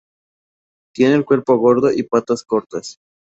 Tiene el cuerpo gordo y patas cortas.